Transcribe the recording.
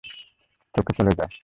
চোখে চলে যাই।